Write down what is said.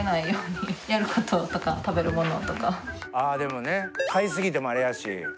でもね買い過ぎてもあれやし。